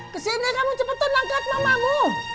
ke sini kamu cepetan angkat mamamu